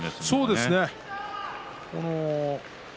そうですね。